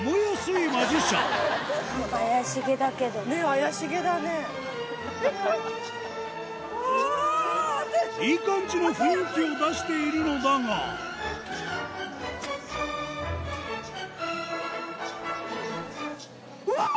いい感じの雰囲気を出しているのだがうわっ！